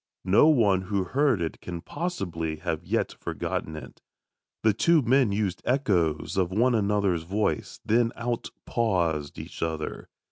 No one who heard it can possibly have yet forgotten it. The two men used echoes of one another's voice, then outpaused each other.